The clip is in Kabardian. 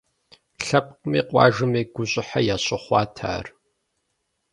Лъэпкъми къуажэми гущӏыхьэ ящыхъуат ар.